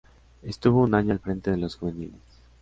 Estuvo un año al frente de los juveniles.